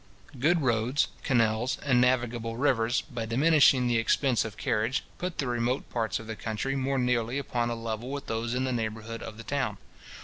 Good roads, canals, and navigable rivers, by diminishing the expense of carriage, put the remote parts of the country more nearly upon a level with those in the neighbourhood of the town.